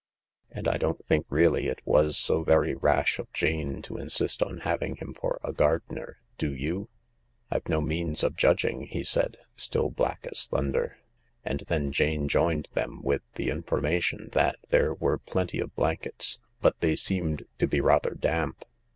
" And I don't think really it was so very rash of Jane to insist on having him for a gardener. Do you ?"" I've no means of judging," he said, still black as thunder. And then Jane joined them with the information that there were plenty of blankets but they seemed to be rather damp.